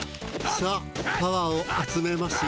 さあパワーをあつめますよ。